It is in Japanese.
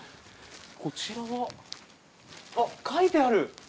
こちらがあっ書いてある！